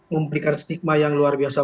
memberikan stigma yang luar biasa